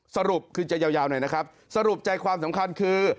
สรุปคือจะยาวหน่อยนะครับสรุปใจความสำคัญคือ